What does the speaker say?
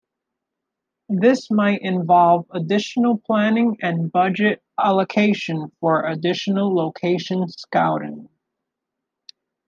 This might involve additional planning and budget allocation for additional location scouting.